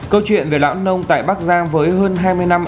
câu chuyện về lão nông tại bắc giang với hơn hai mươi năm